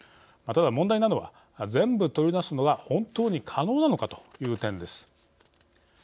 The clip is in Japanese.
ただ問題なのは全部取り出すのは本当に可能なのかという点です。